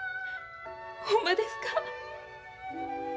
ほんまですか？